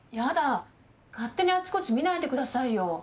勝手にあちこち見ないでくださいよ。